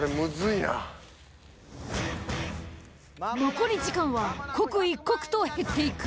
残り時間は刻一刻と減っていく。